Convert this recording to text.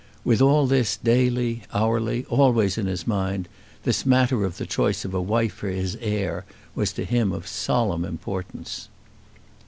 With all this daily, hourly, always in his mind, this matter of the choice of a wife for his heir was to him of solemn importance.